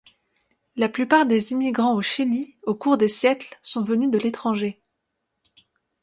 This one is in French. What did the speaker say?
La plupart des immigrants au Chili au cours des s sont venus de l'étranger.